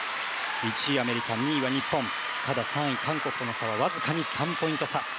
１位、アメリカ、２位は日本ただ３位、韓国との差はわずかに３ポイント差。